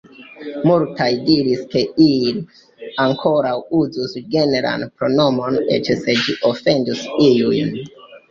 Multaj diris ke ili ankoraŭ uzus genran pronomon, eĉ se ĝi ofendus iujn.